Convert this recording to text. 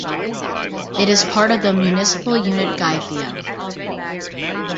It is part of the municipal unit Gytheio.